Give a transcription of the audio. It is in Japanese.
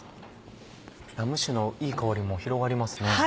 ラム酒のいい香りも広がりますね。